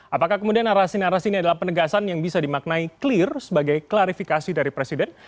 apakah kemudian narasi narasi ini adalah penegasan yang bisa dimaknai clear sebagai klarifikasi dari presiden